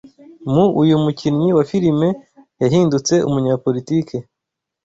Mu uyu mukinnyi wa filime yahindutse umunyapolitiki